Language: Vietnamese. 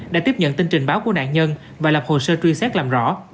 đã tiếp nhận tin trình báo của nạn nhân và lập hồ sơ truy xét làm rõ